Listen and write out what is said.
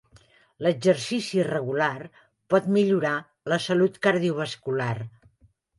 L'exercici regular pot millorar la salut cardiovascular.